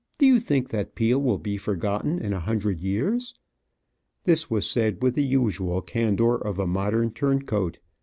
Do you think that Peel will be forgotten in a hundred years?" This was said with the usual candour of a modern turncoat.